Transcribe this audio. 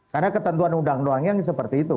karena ketentuan undang undangnya seperti itu